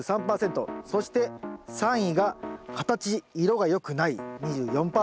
そして３位が「形色がよくない」２４％。